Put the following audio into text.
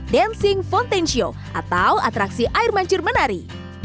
dancing fountainshio atau atraksi air mancur menari